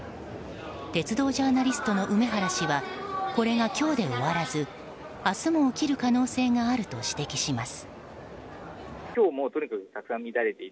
鉄道ジャーナリストの梅原氏はこれが今日で終わらず明日も起きる可能性があると指摘します。